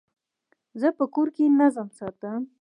زه په کور کي نظم ساتم.